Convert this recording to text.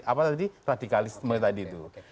apa tadi radikalisme tadi itu